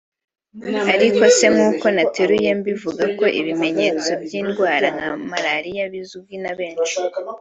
Ariko se nk’uko nateruye mbivuga ko ibimenyetso by’indwara nka malaria bizwi na benshi